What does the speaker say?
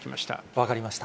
分かりました。